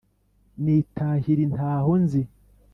Nitahira intaho nzi,